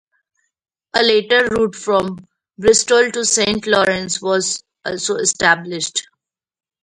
A later route from Bristol to Saint Lawrence was also established.